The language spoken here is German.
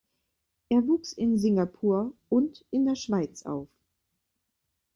Er wuchs in Singapur und in der Schweiz auf.